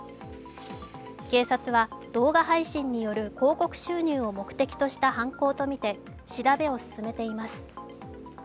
警察は動画配信による広告収入を目的とした犯行とみて調べを進めています。